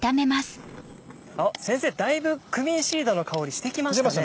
あっ先生だいぶクミンシードの香りしてきましたね。